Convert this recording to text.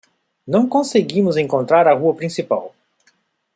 Não conseguimos encontrar a rua principal.